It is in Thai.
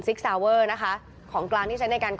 สิคแซวอเวอร์นะคะของกรานที่ใช้ในการก่อเหตุ